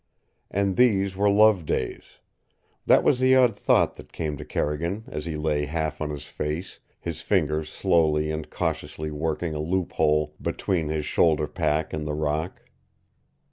And these were love days. That was the odd thought that came to Carrigan as he lay half on his face, his fingers slowly and cautiously working a loophole between his shoulder pack and the rock.